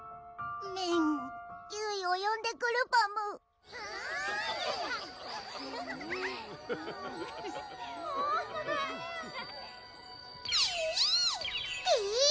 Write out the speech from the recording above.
メンゆいをよんでくるパムピー！